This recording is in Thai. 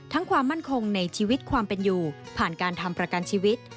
ความมั่นคงในชีวิตความเป็นอยู่ผ่านการทำประกันชีวิต